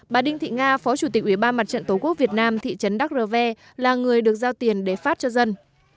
bà đinh thị nga phó chủ tịch ủy ban mặt trận tổ quốc việt nam thị trấn đắk rơ ve là người được giao tiền để phát cho dân